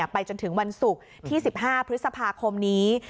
ไปจนถึงวันศุกร์ที่๑๕พฤษภาคมนี้